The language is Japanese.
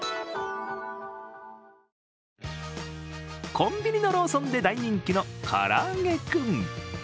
コンビニのローソンで大人気のからあげクン。